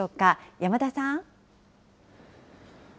山田さん。